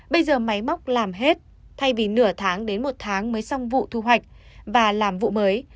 bây giờ máy móc làm hết thay vì nửa tháng đến một tháng mới xong vụ thu hoạch và làm vụ mới